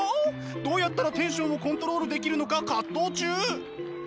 どうやったらテンションをコントロールできるのか葛藤中。